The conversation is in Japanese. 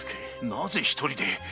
なぜ一人で？